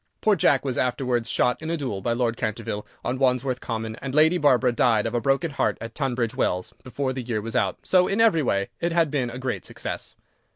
Poor Jack was afterwards shot in a duel by Lord Canterville on Wandsworth Common, and Lady Barbara died of a broken heart at Tunbridge Wells before the year was out, so, in every way, it had been a great success.